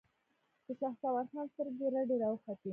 د شهسوار خان سترګې رډې راوختې.